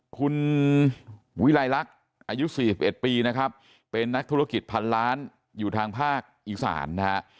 คุณวิลัยลักษณ์อายุ๔๑ปีนะครับเป็นนักธุรกิจพันล้านอยู่ทางภาคอีสานนะฮะ